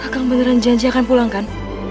kau beneran janji akan pulangkan